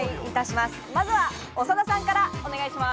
まずは長田さんからお願いします。